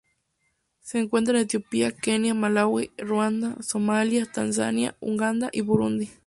Se encuentra en Etiopía, Kenia, Malaui, Ruanda, Somalia, Tanzania, Uganda y Burundi.